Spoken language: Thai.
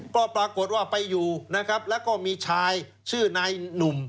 ก็ปรากฏว่าไปอยู่นะครับแล้วก็มีชายชื่อนายหนุ่ม